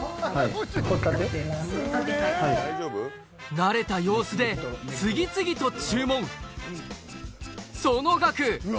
慣れた様子で次々と注文その額